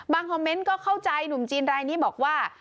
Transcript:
คอมเมนต์ก็เข้าใจหนุ่มจีนรายนี้บอกว่า